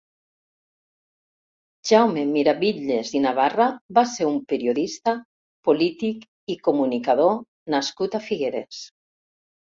Jaume Miravitlles i Navarra va ser un periodista, polític i comunicador nascut a Figueres.